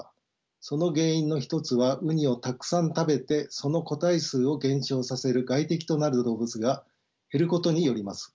その原因の一つはウニをたくさん食べてその個体数を減少させる外敵となる動物が減ることによります。